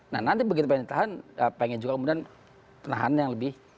nah nanti begitu pengen ditahan pengen juga kemudian penahan yang lebih